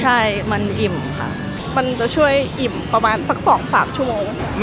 ใช่มันอิ่มค่ะ